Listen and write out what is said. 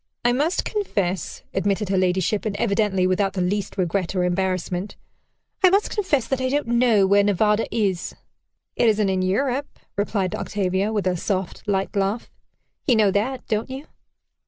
"I must confess," admitted her ladyship, and evidently without the least regret or embarrassment, "I must confess that I don't know where Nevada is." "It isn't in Europe," replied Octavia, with a soft, light laugh. "You know that, don't you?"